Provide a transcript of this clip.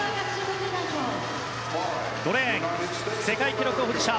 ５レーン、世界記録保持者